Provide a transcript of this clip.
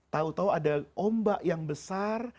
tahu tahu ada ombak yang besar